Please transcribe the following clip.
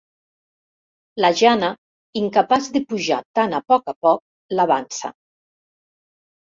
La Jana, incapaç de pujar tan a poc a poc, l'avança.